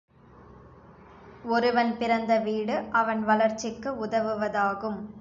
ஒருவன் பிறந்த வீடு அவன் வளர்ச்சிக்கு உதவுவதாகும்.